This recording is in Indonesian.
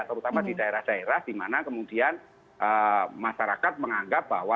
terutama di daerah daerah di mana kemudian masyarakat menganggap bahwa